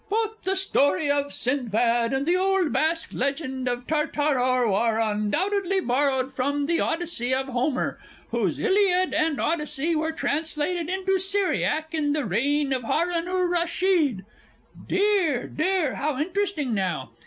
_) "Both the story of Sindbad and the old Basque legend of Tartaro are undoubtedly borrowed from the Odyssey of Homer, whose Iliad and Odyssey were translated into Syriac in the reign of Harun ur Rashid." Dear, dear, how interesting, now!